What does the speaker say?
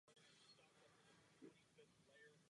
Například již zmíněný princip schvalování ústavy.